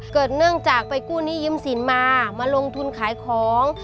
เนื่องจากไปกู้หนี้ยืมสินมามาลงทุนขายของ